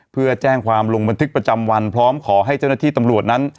เพื่อแจ้งความลงบันทึกประจำวันพร้อมขอให้เจ้าหน้าที่ตำรวจนั้น